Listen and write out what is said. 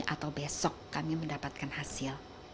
atau besok kami mendapatkan hasil